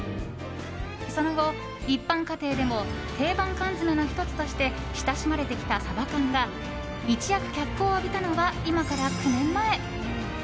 その後、一般家庭でも定番缶詰の１つとして親しまれてきたサバ缶が一躍脚光を浴びたのは今から９年前。